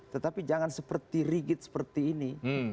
tetapi jangan seperti rigid seperti ini